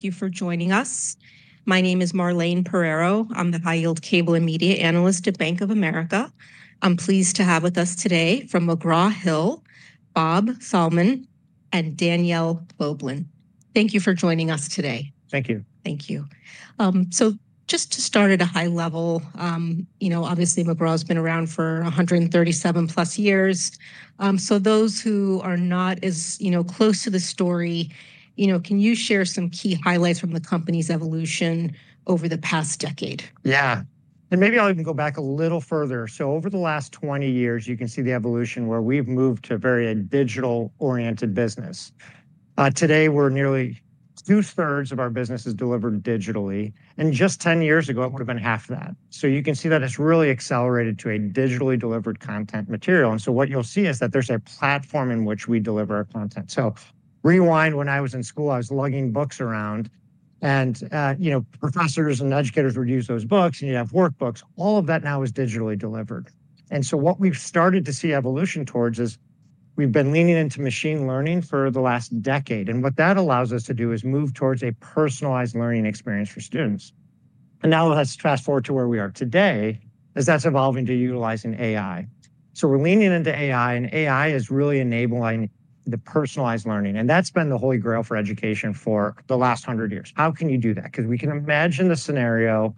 Thank you for joining us. My name is Marlene Pereiro. I'm the High Yield Cable and Media Analyst at Bank of America. I'm pleased to have with us today from McGraw Hill, Bob Sallman, and Danielle Kloeblen. Thank you for joining us today. Thank you. Thank you. Just to start at a high level, you know, obviously, McGraw Hill has been around for 137 plus years. For those who are not as, you know, close to the story, you know, can you share some key highlights from the company's evolution over the past decade? Yeah. Maybe I'll even go back a little further. Over the last 20 years, you can see the evolution where we've moved to a very digital-oriented business. Today, we're nearly two-thirds of our business is delivered digitally. Just 10 years ago, it would have been half of that. You can see that it's really accelerated to a digitally delivered content material. What you'll see is that there's a platform in which we deliver our content. Rewind when I was in school. I was lugging books around. You know, professors and educators would use those books, and you'd have workbooks. All of that now is digitally delivered. What we've started to see evolution towards is we've been leaning into machine learning for the last decade. What that allows us to do is move towards a personalized learning experience for students. Now let's fast forward to where we are today, as that's evolving to utilizing AI. We're leaning into AI, and AI is really enabling the personalized learning. That's been the holy grail for education for the last 100 years. How can you do that? You can imagine the scenario: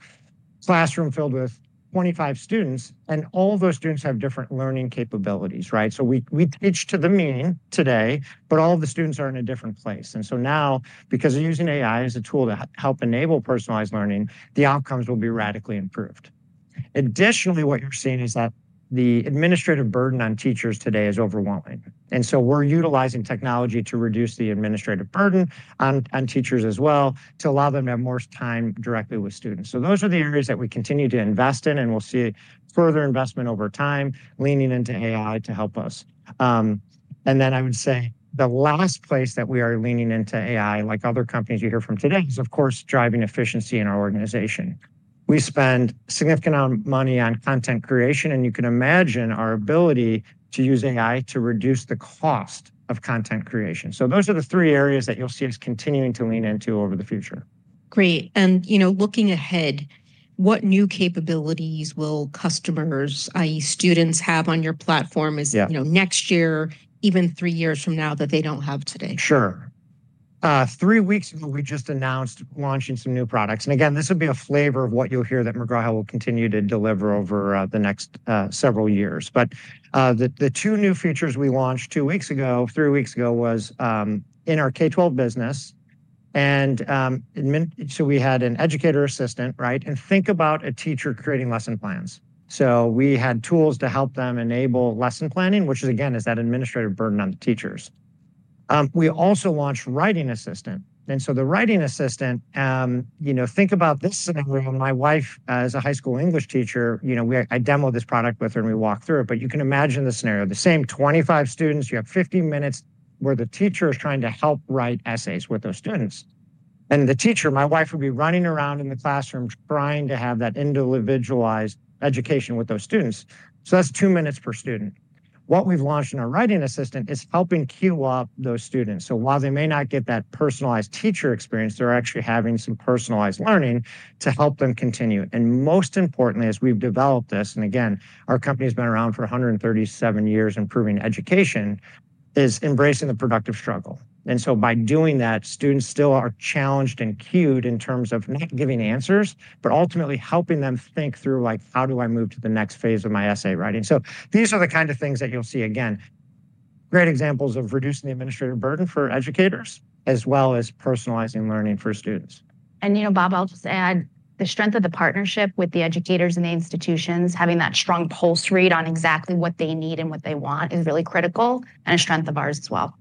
classroom filled with 25 students, and all of those students have different learning capabilities, right? We pitch to the meeting today, but all of the students are in a different place. Now, because they're using AI as a tool to help enable personalized learning, the outcomes will be radically improved. Additionally, what you're seeing is that the administrative burden on teachers today is overwhelming. We're utilizing technology to reduce the administrative burden on teachers as well to allow them to have more time directly with students. Those are the areas that we continue to invest in, and we will see further investment over time leaning into AI to help us. I would say the last place that we are leaning into AI, like other companies you hear from today, is, of course, driving efficiency in our organization. We spend a significant amount of money on content creation, and you can imagine our ability to use AI to reduce the cost of content creation. Those are the three areas that you will see us continuing to lean into over the future. Great. You know, looking ahead, what new capabilities will customers, i.e., students have on your platform as, you know, next year, even three years from now, that they do not have today? Sure. Three weeks ago, we just announced launching some new products. This will be a flavor of what you'll hear that McGraw Hill will continue to deliver over the next several years. The two new features we launched two weeks ago or three weeks ago was in our K-12 business. We had an educator assistant, right? Think about a teacher creating lesson plans. We had tools to help them enable lesson planning, which is, again, that administrative burden on the teachers. We also launched a writing assistant. The writing assistant, you know, think about this scenario. My wife is a high school English teacher. I demo this product with her, and we walked through it. You can imagine the scenario: the same 25 students, you have 15 minutes where the teacher is trying to help write essays with those students. The teacher, my wife, would be running around in the classroom trying to have that individualized education with those students. That is two minutes per student. What we have launched in our writing assistant is helping queue up those students. While they may not get that personalized teacher experience, they are actually having some personalized learning to help them continue. Most importantly, as we have developed this, and again, our company has been around for 137 years improving education, is embracing the productive struggle. By doing that, students still are challenged and queued in terms of not giving answers, but ultimately helping them think through, like, how do I move to the next phase of my essay writing? These are the kind of things that you'll see again, great examples of reducing the administrative burden for educators, as well as personalizing learning for students. You know, Bob, I'll just add the strength of the partnership with the educators and the institutions, having that strong pulse read on exactly what they need and what they want is really critical and a strength of ours as well.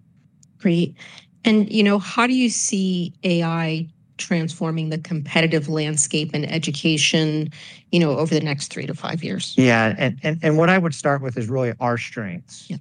Great. You know, how do you see AI transforming the competitive landscape in education, you know, over the next three to five years? Yeah. What I would start with is really our strengths. Yeah.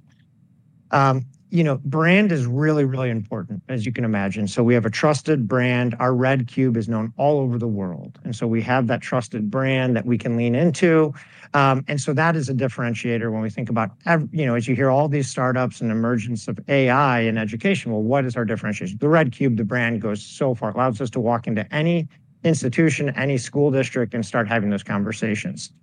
You know, brand is really, really important, as you can imagine. So we have a trusted brand. Red Cube is known all over the world. And so we have that trusted brand that we can lean into. And so that is a differentiator when we think about, you know, as you hear all these startups and emergence of AI in education, well, what is our differentiation? Red Cube, the brand goes so far, allows us to walk into any institution, any school district, and start having those conversations.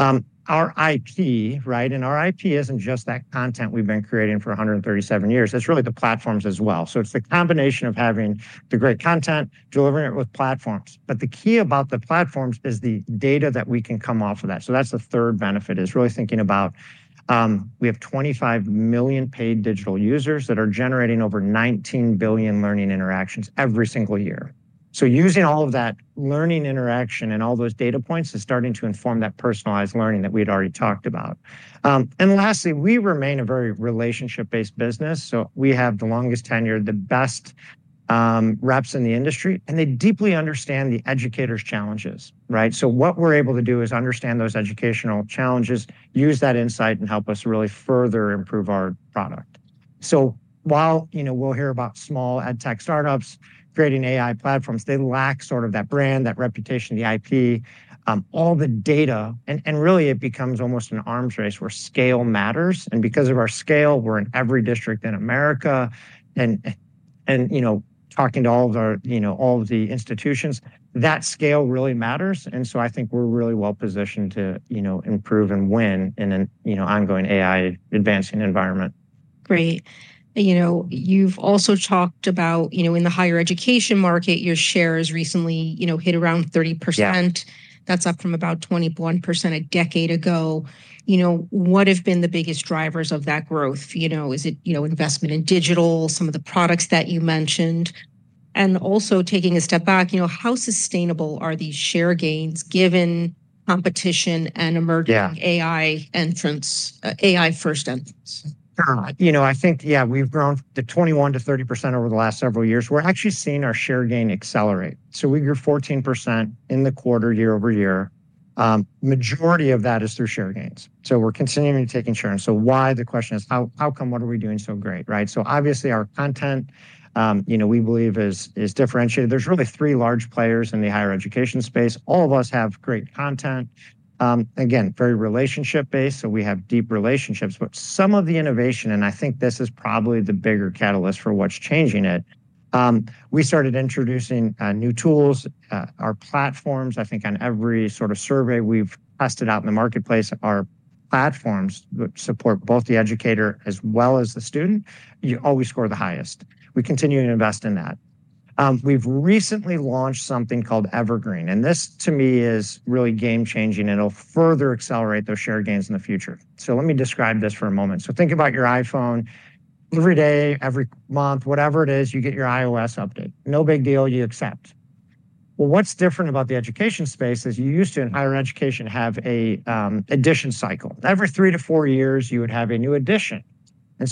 Our IP, right? And our IP is not just that content we have been creating for 137 years. It is really the platforms as well. So it is the combination of having the great content and delivering it with platforms. But the key about the platforms is the data that we can come off of that. That is the third benefit, really thinking about we have 25 million paid digital users that are generating over 19 billion learning interactions every single year. Using all of that learning interaction and all those data points is starting to inform that personalized learning that we had already talked about. Lastly, we remain a very relationship-based business. We have the longest tenure, the best reps in the industry, and they deeply understand the educators' challenges, right? What we are able to do is understand those educational challenges, use that insight, and help us really further improve our product. While, you know, we will hear about small edtech startups creating AI platforms, they lack sort of that brand, that reputation, the IP, all the data. It becomes almost an arms race where scale matters. Because of our scale, we are in every district in America. You know, talking to all of our, you know, all of the institutions, that scale really matters. I think we're really well positioned to, you know, improve and win in an, you know, ongoing AI-advancing environment. Great. You know, you've also talked about, you know, in the higher education market, your shares recently, you know, hit around 30%. That's up from about 21% a decade ago. You know, what have been the biggest drivers of that growth? You know, is it, you know, investment in digital, some of the products that you mentioned? Also taking a step back, you know, how sustainable are these share gains given competition and emerging AI entrants, AI-first entrants? You know, I think, yeah, we've grown to 21% to 30% over the last several years. We're actually seeing our share gain accelerate. So we grew 14% in the quarter year over year. Majority of that is through share gains. We're continuing to take insurance. So why? The question is, how come? What are we doing so great, right? Obviously, our content, you know, we believe is differentiated. There's really three large players in the higher education space. All of us have great content. Again, very relationship-based. We have deep relationships. Some of the innovation, and I think this is probably the bigger catalyst for what's changing it, we started introducing new tools, our platforms. I think on every sort of survey we've tested out in the marketplace, our platforms that support both the educator as well as the student, you always score the highest. We continue to invest in that. We've recently launched something called Evergreen. This, to me, is really game-changing, and it'll further accelerate those share gains in the future. Let me describe this for a moment. Think about your iPhone every day, every month, whatever it is, you get your iOS update. No big deal. You accept. What's different about the education space is you used to, in higher education, have an edition cycle. Every three to four years, you would have a new edition.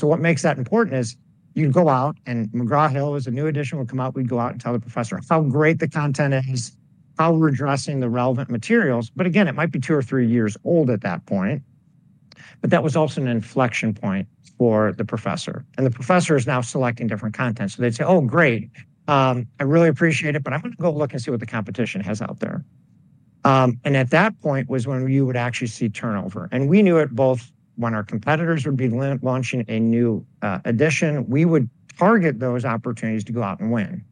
What makes that important is you'd go out, and McGraw Hill is a new edition will come out. We'd go out and tell the professor how great the content is, how we're addressing the relevant materials. Again, it might be two or three years old at that point. That was also an inflection point for the professor. The professor is now selecting different content. They'd say, "Oh, great. I really appreciate it, but I'm going to go look and see what the competition has out there." At that point was when you would actually see turnover. We knew it both when our competitors would be launching a new edition, we would target those opportunities to go out and win.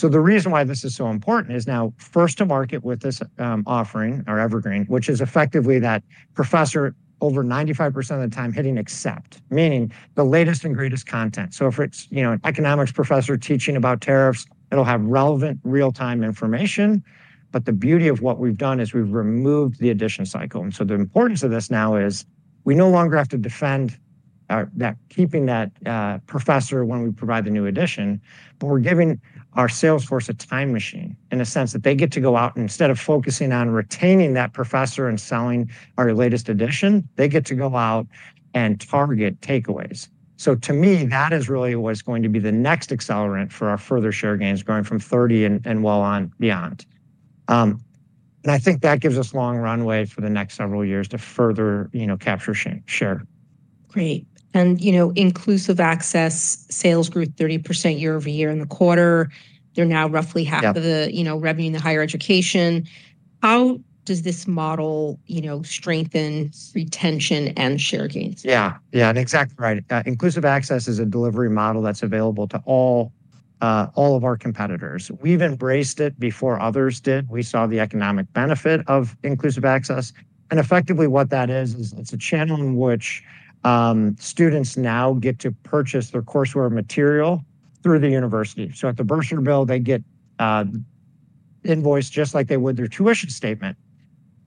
The reason why this is so important is now first to market with this offering, our Evergreen, which is effectively that professor over 95% of the time hitting accept, meaning the latest and greatest content. If it's, you know, an economics professor teaching about tariffs, it'll have relevant real-time information. The beauty of what we've done is we've removed the edition cycle. The importance of this now is we no longer have to defend that, keeping that professor when we provide the new edition, but we're giving our salesforce a time machine in a sense that they get to go out, and instead of focusing on retaining that professor and selling our latest edition, they get to go out and target takeaways. To me, that is really what's going to be the next accelerant for our further share gains going from 30 and well on beyond. I think that gives us long runway for the next several years to further, you know, capture share. Great. You know, Inclusive Access sales grew 30% year over year in the quarter. They are now roughly half of the, you know, revenue in higher education. How does this model, you know, strengthen retention and share gains? Yeah. Yeah. Exactly right. Inclusive Access is a delivery model that's available to all of our competitors. We've embraced it before others did. We saw the economic benefit of Inclusive Access. Effectively, what that is, is it's a channel in which students now get to purchase their courseware material through the university. At the bursar bill, they get invoiced just like they would their tuition statement.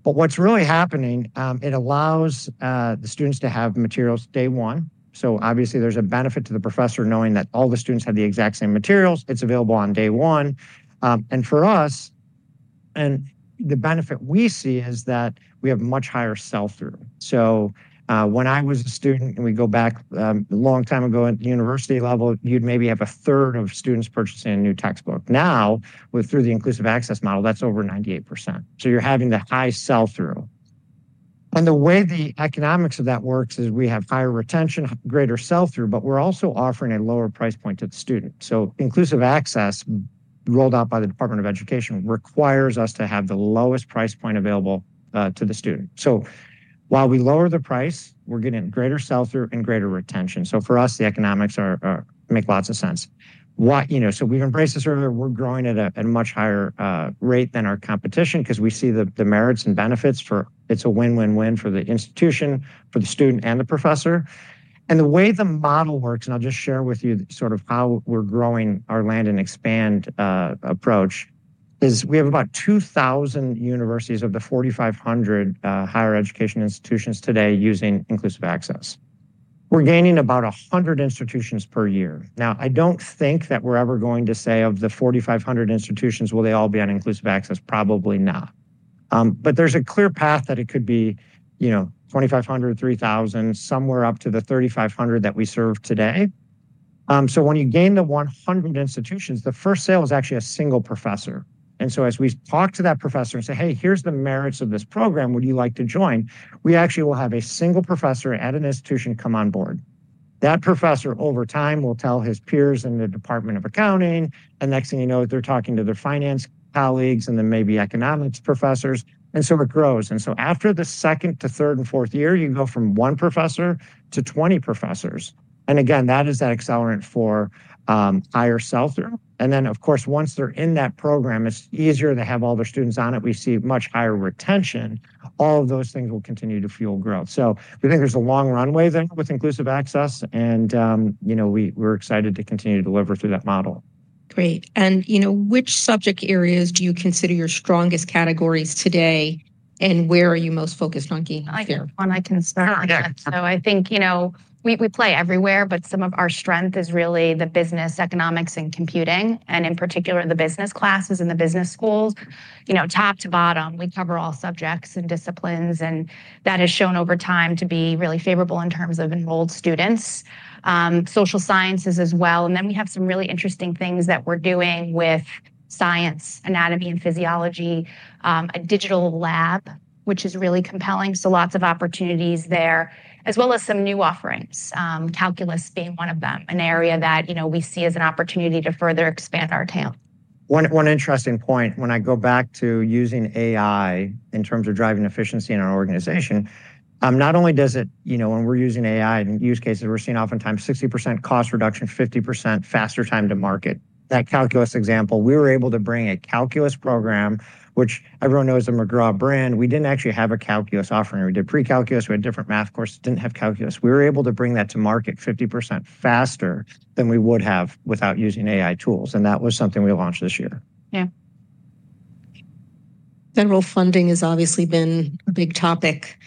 What's really happening, it allows the students to have materials day one. Obviously, there's a benefit to the professor knowing that all the students have the exact same materials. It's available on day one. For us, and the benefit we see is that we have much higher sell-through. When I was a student, and we go back a long time ago at the university level, you'd maybe have a third of students purchasing a new textbook. Now, through the inclusive access model, that's over 98%. You're having the high sell-through. The way the economics of that works is we have higher retention, greater sell-through, but we're also offering a lower price point to the student. Inclusive Access rolled out by the Department of Education requires us to have the lowest price point available to the student. While we lower the price, we're getting greater sell-through and greater retention. For us, the economics make lots of sense. You know, we've embraced this earlier. We're growing at a much higher rate than our competition because we see the merits and benefits for it's a win-win-win for the institution, for the student, and the professor. The way the model works, and I'll just share with you sort of how we're growing our land and expand approach, is we have about 2,000 universities of the 4,500 higher education institutions today using Inclusive Access. We're gaining about 100 institutions per year. I don't think that we're ever going to say of the 4,500 institutions, will they all be on Inclusive Access? Probably not. There is a clear path that it could be, you know, 2,500, 3,000, somewhere up to the 3,500 that we serve today. When you gain the 100 institutions, the first sale is actually a single professor. As we talk to that professor and say, "Hey, here's the merits of this program. Would you like to join?" We actually will have a single professor at an institution come on board. That professor, over time, will tell his peers in the Department of Accounting. Next thing you know, they're talking to their finance colleagues and then maybe economics professors. It grows. After the second to third and fourth year, you go from one professor to 20 professors. Again, that is that accelerant for higher sell-through. Of course, once they're in that program, it's easier to have all their students on it. We see much higher retention. All of those things will continue to fuel growth. We think there's a long runway there with Inclusive Access. You know, we're excited to continue to deliver through that model. Great. You know, which subject areas do you consider your strongest categories today? Where are you most focused on gaining here? That one I can start with. I think, you know, we play everywhere, but some of our strength is really the business, economics, and computing, and in particular, the business classes and the business schools. You know, top to bottom, we cover all subjects and disciplines, and that has shown over time to be really favorable in terms of enrolled students, social sciences as well. We have some really interesting things that we're doing with science, anatomy, and physiology, a digital lab, which is really compelling. Lots of opportunities there, as well as some new offerings, calculus being one of them, an area that, you know, we see as an opportunity to further expand our talent. One interesting point, when I go back to using AI in terms of driving efficiency in our organization, not only does it, you know, when we're using AI in use cases, we're seeing oftentimes 60% cost reduction, 50% faster time to market. That calculus example, we were able to bring a calculus program, which everyone knows the McGraw brand. We didn't actually have a calculus offering. We did pre-calculus. We had different math course. We didn't have calculus. We were able to bring that to market 50% faster than we would have without using AI tools. That was something we launched this year. Yeah. Federal funding has obviously been a big topic.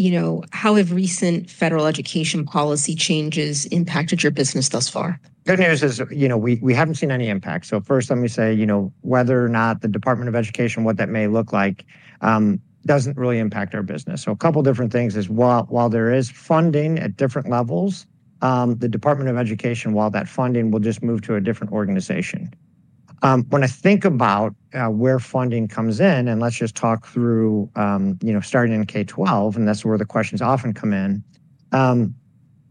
You know, how have recent federal education policy changes impacted your business thus far? Good news is, you know, we haven't seen any impact. First, let me say, you know, whether or not the Department of Education, what that may look like, doesn't really impact our business. A couple of different things is while there is funding at different levels, the Department of Education, while that funding will just move to a different organization. When I think about where funding comes in, and let's just talk through, you know, starting in K-12, and that's where the questions often come in,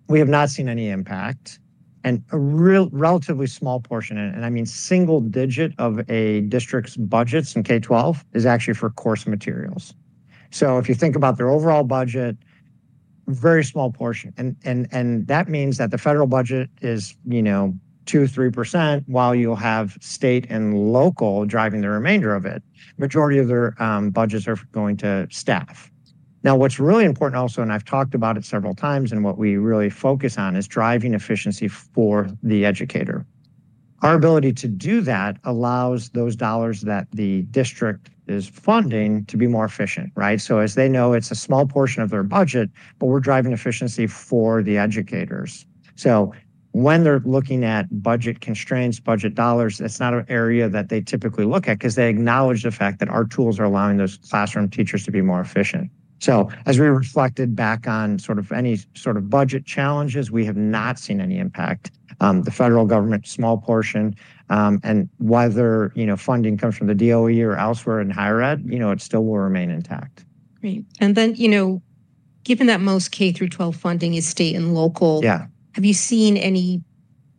we have not seen any impact. A relatively small portion, and I mean single digit, of a district's budgets in K-12 is actually for course materials. If you think about their overall budget, very small portion. That means that the federal budget is, you know, 2%, 3%, while you'll have state and local driving the remainder of it. Majority of their budgets are going to staff. What's really important also, and I've talked about it several times, and what we really focus on is driving efficiency for the educator. Our ability to do that allows those dollars that the district is funding to be more efficient, right? They know it's a small portion of their budget, but we're driving efficiency for the educators. When they're looking at budget constraints, budget dollars, that's not an area that they typically look at because they acknowledge the fact that our tools are allowing those classroom teachers to be more efficient. As we reflected back on sort of any sort of budget challenges, we have not seen any impact. The federal government, small portion, and whether, you know, funding comes from the DOE or elsewhere in higher ed, you know, it still will remain intact. Great. You know, given that most K-12 funding is state and local, have you seen any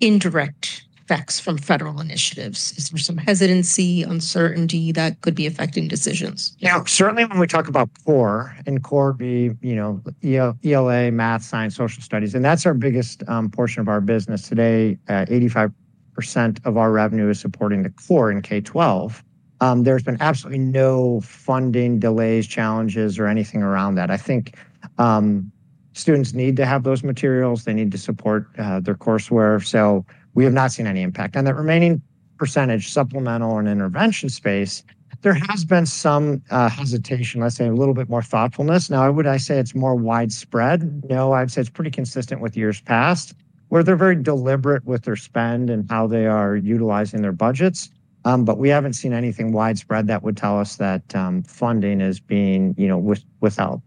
indirect effects from federal initiatives? Is there some hesitancy, uncertainty that could be affecting decisions? Yeah. Certainly when we talk about core and core would be, you know, ELA, math, science, social studies. That is our biggest portion of our business today, 85% of our revenue is supporting the core in K-12. There have been absolutely no funding delays, challenges, or anything around that. I think students need to have those materials. They need to support their courseware. We have not seen any impact. That remaining percentage, supplemental and intervention space, there has been some hesitation, let's say a little bit more thoughtfulness. Would I say it is more widespread? No, I would say it is pretty consistent with years past where they are very deliberate with their spend and how they are utilizing their budgets. We have not seen anything widespread that would tell us that funding is being, you know, withheld.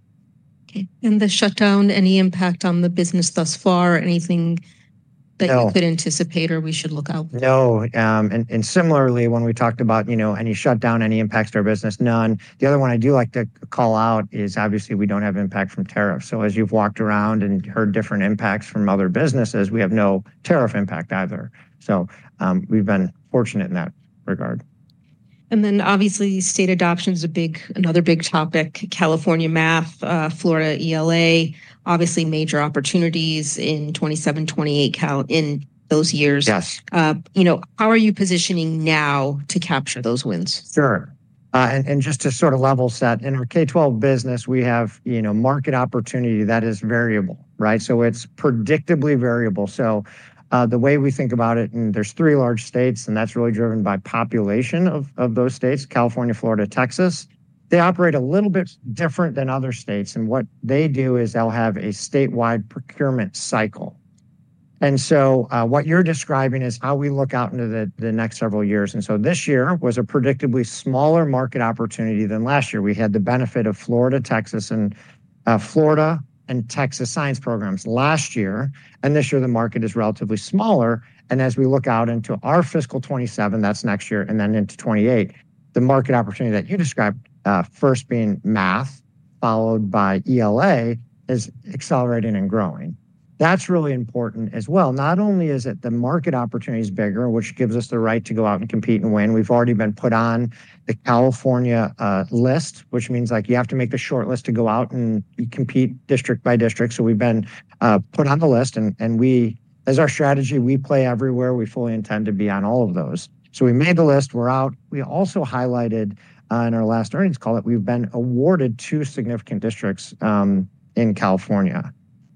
Okay. The shutdown, any impact on the business thus far? Anything that you could anticipate or we should look out for? No. Similarly, when we talked about, you know, any shutdown, any impact to our business? None. The other one I do like to call out is obviously we do not have impact from tariffs. As you have walked around and heard different impacts from other businesses, we have no tariff impact either. We have been fortunate in that regard. State adoption is a big, another big topic. California math, Florida ELA, obviously major opportunities in 2027, 2028, in those years. Yes. You know, how are you positioning now to capture those wins? Sure. Just to sort of level set, in our K-12 business, we have, you know, market opportunity that is variable, right? It is predictably variable. The way we think about it, there are three large states, and that is really driven by population of those states: California, Florida, Texas. They operate a little bit different than other states. What they do is they will have a statewide procurement cycle. What you are describing is how we look out into the next several years. This year was a predictably smaller market opportunity than last year. We had the benefit of Florida, Texas, and Florida and Texas science programs last year. This year the market is relatively smaller. As we look out into our Fiscal 2027, that's next year, and then into 2028, the market opportunity that you described, first being math, followed by ELA, is accelerating and growing. That's really important as well. Not only is the market opportunity is bigger, which gives us the right to go out and compete and win. We've already been put on the California list, which means like you have to make a short list to go out and compete district by district. We have been put on the list. As our strategy, we play everywhere. We fully intend to be on all of those. We made the list. We're out. We also highlighted in our last earnings call that we've been awarded two significant districts in California.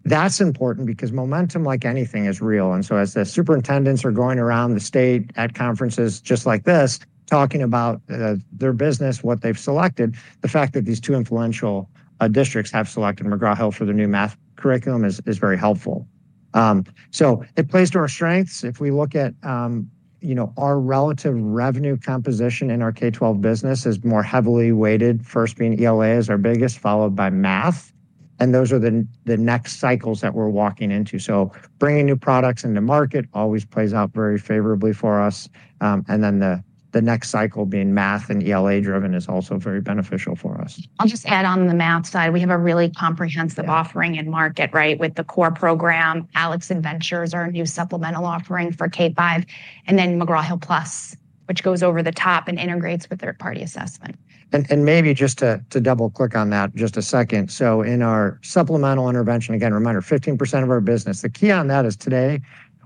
That's important because momentum, like anything is real. As the superintendents are going around the state at conferences just like this, talking about their business, what they have selected, the fact that these two influential districts have selected McGraw Hill for their new math curriculum is very helpful. It plays to our strengths. If we look at, you know, our relative revenue composition in our K-12 business, it is more heavily weighted, first being ELA as our biggest, followed by math. Those are the next cycles that we are walking into. Bringing new products into market always plays out very favorably for us. The next cycle being math and ELA-driven is also very beneficial for us. I'll just add on the math side. We have a really comprehensive offering in market, right, with the core program. ALEKS Adventure is our new supplemental offering for K-5. And then McGraw Hill Plus, which goes over the top and integrates with third-party assessment. Maybe just to double-click on that just a second. In our supplemental intervention, again, reminder, 15% of our business. The key on that is today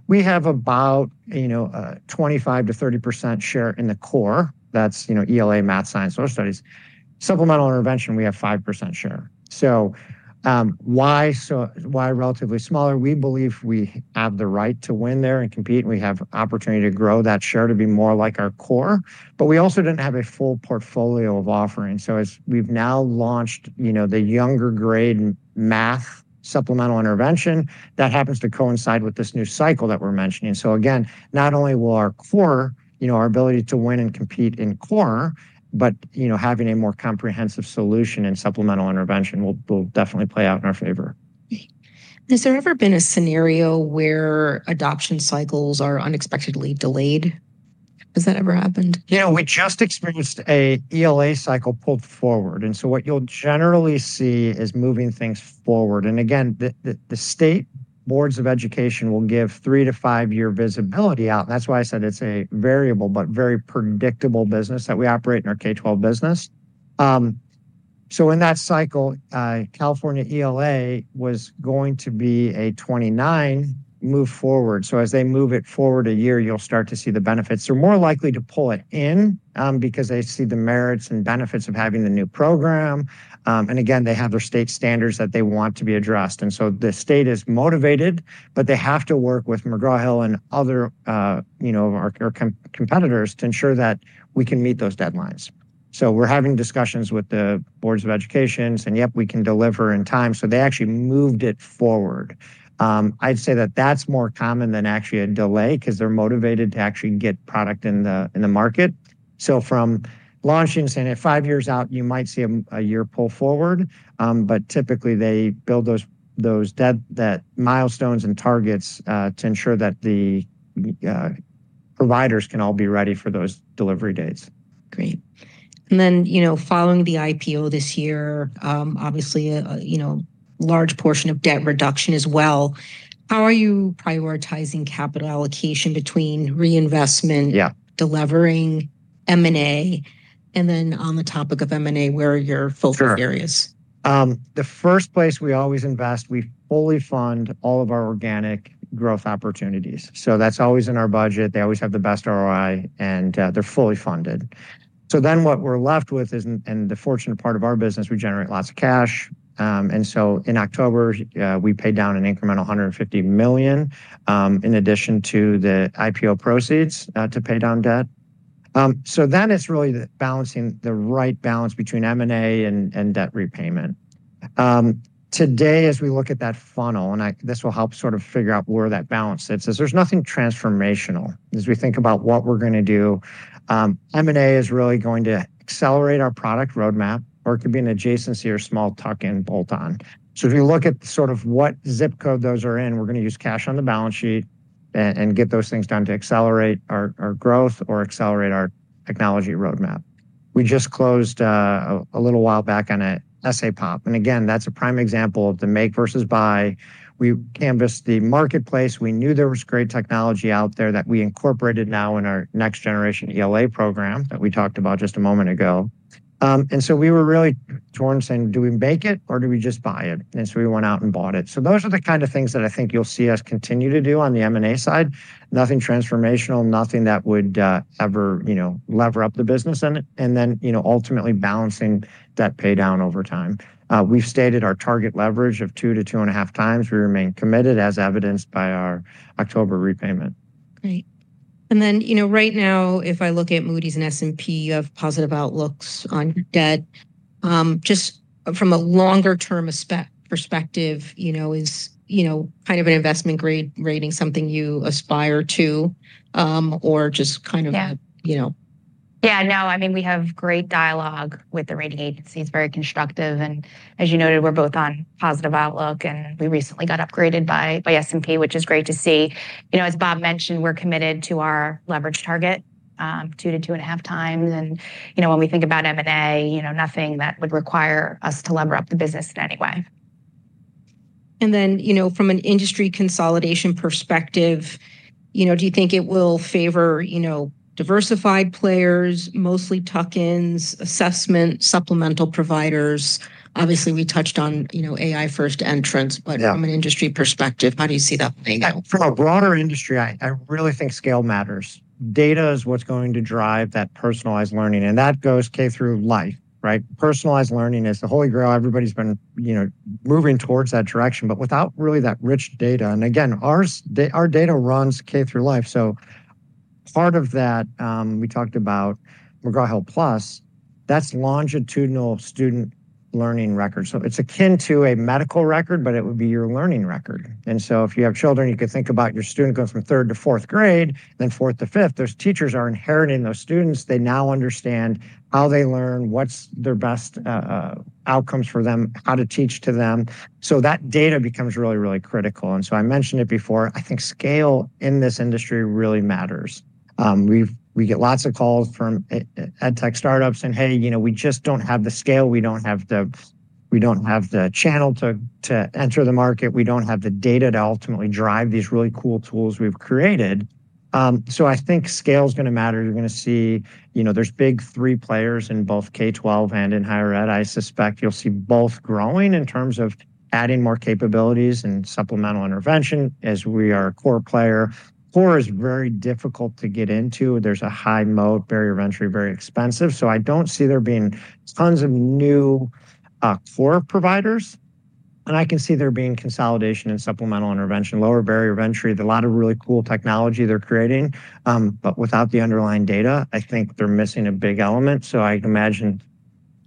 we have about, you know, a 25% to 30% share in the core. That's, you know, ELA, math, science, social studies. Supplemental intervention, we have 5% share. Why relatively smaller? We believe we have the right to win there and compete. We have opportunity to grow that share to be more like our core. We also didn't have a full portfolio of offering. As we've now launched, you know, the younger grade math supplemental intervention, that happens to coincide with this new cycle that we're mentioning. Not only will our core, you know, our ability to win and compete in core, but, you know, having a more comprehensive solution in supplemental intervention will definitely play out in our favor. Has there ever been a scenario where adoption cycles are unexpectedly delayed? Has that ever happened? You know, we just experienced an ELA cycle pulled forward. What you'll generally see is moving things forward. The state boards of education will give three to five year visibility out. That's why I said it's a variable, but very predictable business that we operate in our K-12 business. In that cycle, California ELA was going to be a 2029 move forward. As they move it forward a year, you'll start to see the benefits. They're more likely to pull it in because they see the merits and benefits of having the new program. They have their state standards that they want to be addressed. The state is motivated, but they have to work with McGraw Hill and other competitors to ensure that we can meet those deadlines. We're having discussions with the Boards of Education, and yep, we can deliver in time. They actually moved it forward. I'd say that that's more common than actually a delay because they're motivated to actually get product in the market. From launching, saying it five years out, you might see a year pull forward. Typically they build those milestones and targets to ensure that the providers can all be ready for those delivery dates. Great. You know, following the IPO this year, obviously, you know, large portion of debt reduction as well. How are you prioritizing capital allocation between reinvestment, delevering, M&A? On the topic of M&A, where are your focus areas? The first place we always invest, we fully fund all of our organic growth opportunities. That is always in our budget. They always have the best ROI, and they are fully funded. What we are left with is, and the fortunate part of our business, we generate lots of cash. In October, we paid down an incremental $150 million in addition to the IPO proceeds to pay down debt. That is really balancing the right balance between M&A and debt repayment. Today, as we look at that funnel, and this will help sort of figure out where that balance sits, there is nothing transformational. As we think about what we are going to do, M&A is really going to accelerate our product roadmap, or it could be an adjacency or small tuck-in bolt-on. If you look at sort of what zip code those are in, we're going to use cash on the balance sheet and get those things done to accelerate our growth or accelerate our technology roadmap. We just closed a little while back on an SoapBox. Again, that's a prime example of the make versus buy. We canvassed the marketplace. We knew there was great technology out there that we incorporated now in our next generation ELA program that we talked about just a moment ago. We were really torn saying, do we make it or do we just buy it? We went out and bought it. Those are the kind of things that I think you'll see us continue to do on the M&A side. Nothing transformational, nothing that would ever, you know, lever up the business. You know, ultimately balancing that paydown over time. We've stated our target leverage of 2 to 2.5 times. We remain committed, as evidenced by our October repayment. Great. You know, right now, if I look at Moody's and S&P, you have positive outlooks on debt. Just from a longer-term perspective, you know, is, you know, kind of an investment grade rating something you aspire to or just kind of, you know? Yeah. Yeah. No, I mean, we have great dialogue with the rating agencies, very constructive. And as you noted, we're both on positive outlook, and we recently got upgraded by S&P, which is great to see. You know, as Bob mentioned, we're committed to our leverage target, 2 to 2.5 times. And, you know, when we think about M&A, you know, nothing that would require us to lever up the business in any way. You know, from an industry consolidation perspective, you know, do you think it will favor, you know, diversified players, mostly tuck-ins, assessment, supplemental providers? Obviously, we touched on, you know, AI first entrance, but from an industry perspective, how do you see that playing out? From a broader industry, I really think scale matters. Data is what's going to drive that personalized learning. That goes K through life, right? Personalized learning is the holy grail and everybody's been, you know, moving towards that direction, but without really that rich data. Again, our data runs K through life. Part of that, we talked about McGraw Hill Plus, that's longitudinal student learning record. It's akin to a medical record, but it would be your learning record. If you have children, you could think about your student going from 3rd to 4th grade, then 4th to 5th. Those teachers are inheriting those students. They now understand how they learn, what's their best outcomes for them, how to teach to them. That data becomes really, really critical. I mentioned it before. I think scale in this industry really matters. We get lots of calls from edtech startups saying, "Hey, you know, we just don't have the scale. We don't have the channel to enter the market. We don't have the data to ultimately drive these really cool tools we've created." I think scale is going to matter. You're going to see, you know, there's big three players in both K-12 and in higher ed. I suspect you'll see both growing in terms of adding more capabilities and supplemental intervention as we are a core player. Core is very difficult to get into. There's a high moat, barrier of entry, very expensive. I don't see there being tons of new core providers. I can see there being consolidation in supplemental intervention, lower barrier of entry, a lot of really cool technology they're creating. Without the underlying data, I think they're missing a big element. I can imagine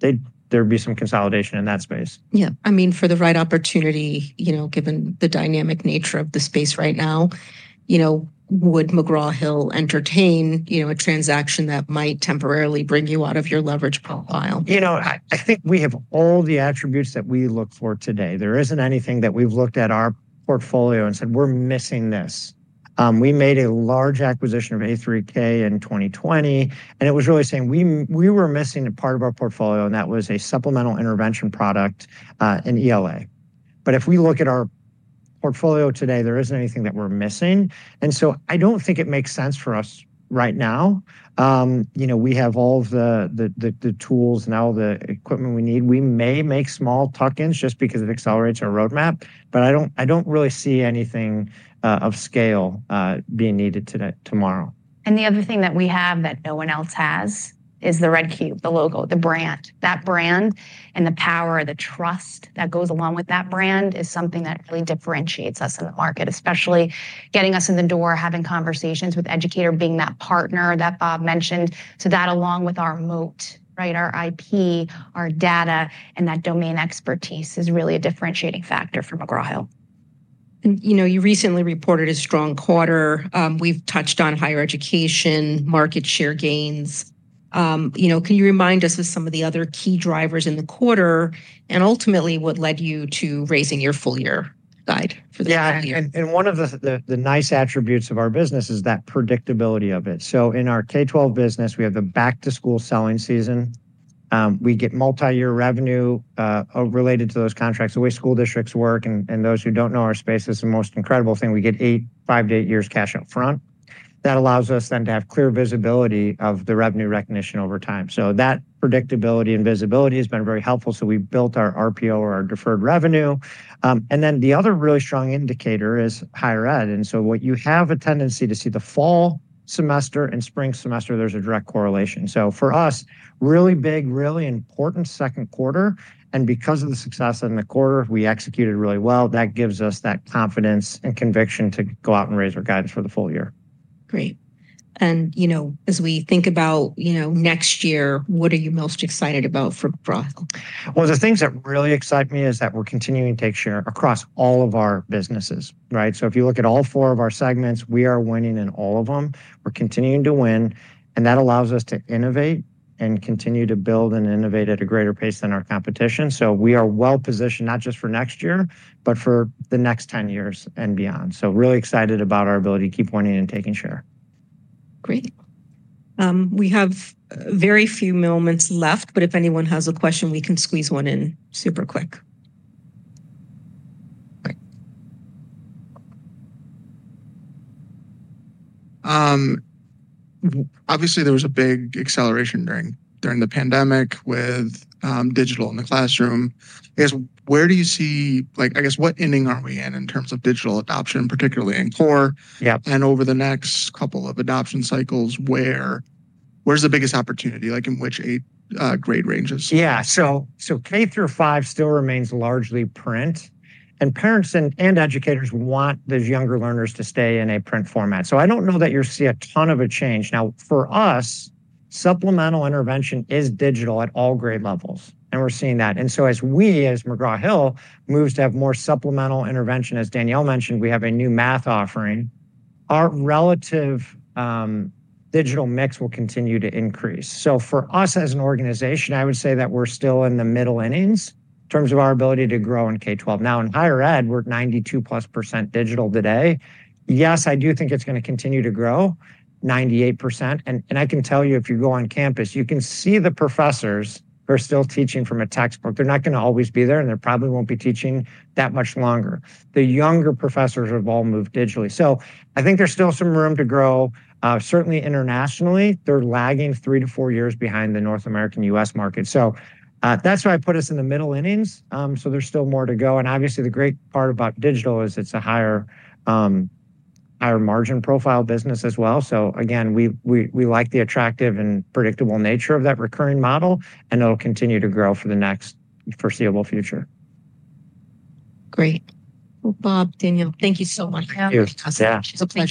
there would be some consolidation in that space. Yeah. I mean, for the right opportunity, you know, given the dynamic nature of the space right now, you know, would McGraw Hill entertain, you know, a transaction that might temporarily bring you out of your leverage profile? You know, I think we have all the attributes that we look for today. There isn't anything that we've looked at our portfolio and said, "We're missing this." We made a large acquisition of A3K in 2020. It was really saying we were missing a part of our portfolio, and that was a supplemental intervention product in ELA. If we look at our portfolio today, there isn't anything that we're missing. I don't think it makes sense for us right now. You know, we have all of the tools and all the equipment we need. We may make small tuck-ins just because it accelerates our roadmap. I don't really see anything of scale being needed tomorrow. The other thing that we have that no one else has is Red Cube, the logo, the brand. That brand and the power, the trust that goes along with that brand is something that really differentiates us in the market, especially getting us in the door, having conversations with educators, being that partner that Bob mentioned. That along with our moat, our IP, our data, and that domain expertise is really a differentiating factor for McGraw Hill. You know, you recently reported a strong quarter. We've touched on higher education, market share gains. You know, can you remind us of some of the other key drivers in the quarter and ultimately what led you to raising your full-year guide for the year? Yeah. One of the nice attributes of our business is that predictability of it. In our K-12 business, we have the back-to-school selling season. We get multi-year revenue related to those contracts. The way school districts work, and those who do not know our space, this is the most incredible thing. We get five to eight years cash upfront. That allows us to have clear visibility of the revenue recognition over time. That predictability and visibility has been very helpful. We built our RPO or our deferred revenue. The other really strong indicator is higher ed. What you have a tendency to see, the fall semester and spring semester, there is a direct correlation. For us, really big, really important second quarter. Because of the success in the quarter, we executed really well. That gives us that confidence and conviction to go out and raise our guidance for the full year. Great. You know, as we think about, you know, next year, what are you most excited about for McGraw Hill? The things that really excite me is that we're continuing to take share across all of our businesses, right? If you look at all four of our segments, we are winning in all of them. We're continuing to win. That allows us to innovate and continue to build and innovate at a greater pace than our competition. We are well positioned, not just for next year, but for the next 10 years and beyond. Really excited about our ability to keep winning and taking share. Great. We have very few moments left, but if anyone has a question, we can squeeze one in super quick. Obviously, there was a big acceleration during the pandemic with digital in the classroom. I guess, where do you see, like,, what ending are we in in terms of digital adoption, particularly in Core? Over the next couple of adoption cycles, where's the biggest opportunity, like in which grade ranges? Yeah. K through five still remains largely print. Parents and educators want those younger learners to stay in a print format. I do not know that you will see a ton of a change. For us, supplemental intervention is digital at all grade levels. We are seeing that. As we, as McGraw Hill, move to have more supplemental intervention, as Danielle mentioned, we have a new math offering, our relative digital mix will continue to increase. For us as an organization, I would say that we are still in the middle innings in terms of our ability to grow in K-12. In higher ed, we are 92% plus digital today. Yes, I do think it is going to continue to grow to 98%. I can tell you, if you go on campus, you can see the professors who are still teaching from a textbook. They're not going to always be there, and they probably won't be teaching that much longer. The younger professors have all moved digitally. I think there's still some room to grow. Certainly internationally, they're lagging three to four years behind the North American U.S. market. That's why I put us in the middle innings. There's still more to go. Obviously, the great part about digital is it's a higher margin profile business as well. We like the attractive and predictable nature of that recurring model, and it'll continue to grow for the next foreseeable future. Great. Well, Bob, Danielle, thank you so much. Thank you. Thank you. Yeah. It's a pleasure.